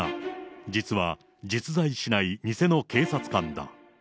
実は実在しない偽の警察官だ。